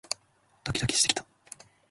ドキドキしてきた